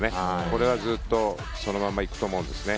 これはずっとそのまま行くと思うんですね。